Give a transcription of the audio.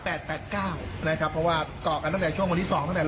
เพราะว่ากรอกจากช่วงละที่๒ลงไปแล้ว